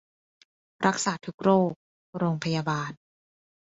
รักษาทุกโรค โรงพยาบาล